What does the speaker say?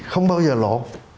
không bao giờ lộ